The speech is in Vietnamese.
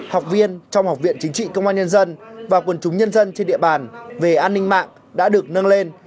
học viên trong học viện chính trị công an nhân dân và quân chúng nhân dân trên địa bàn về an ninh mạng đã được nâng lên